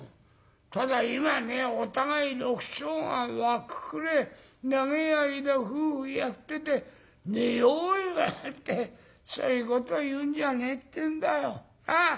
ただ今ねお互い緑青が湧くくれえ長え間夫婦やってて『寝ようよ』だなんてそういうこと言うんじゃねえってんだよ。なあ？